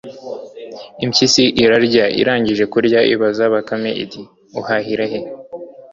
Impyisi irarya irangije kurya ibaza Bakame iti :« uhahira he